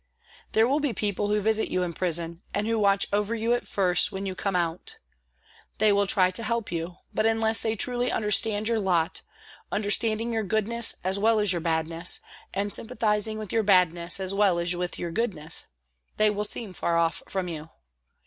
There will be people who visit you in prison, and who watch over you at first when you come out. They wiD try to help you, but unless they truly understand your lot, understanding your good ness as well as your badness, and sympathising with your badness as well as with your goodness, they will seem far off from you.